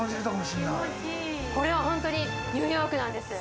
これはホントにニューヨークなんです。